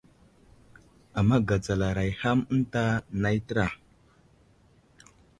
Ama gatsalaray ham eŋta nay təra.